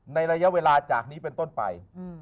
ในระยะเวลาจากนี้เป็นต้นไป